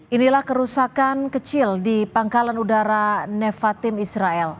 inilah kerusakan kecil di pangkalan udara nevatim israel